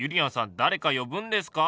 誰か呼ぶんですか？